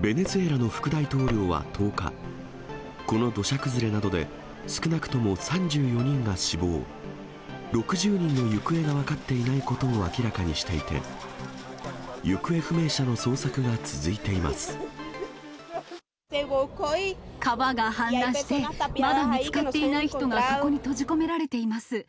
ベネズエラの副大統領は１０日、この土砂崩れなどで少なくとも３４人が死亡、６０人の行方が分かっていないことを明らかにしていて、川が氾濫して、まだ見つかっていない人がそこに閉じ込められています。